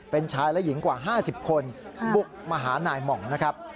เป็นชายและหญิงกว่า๕๐คนบุกมาหานายหม่องนะครับ